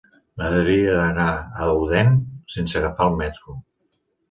M'agradaria anar a Odèn sense agafar el metro.